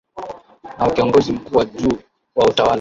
na wa kiongozi mkuu wa juu wa utawala